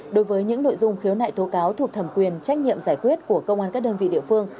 đối với những nội dung khiếu nại tố cáo thuộc thẩm quyền trách nhiệm giải quyết của công an các đơn vị địa phương